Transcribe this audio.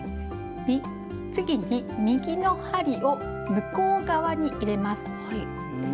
次に右の針を向こう側に入れます。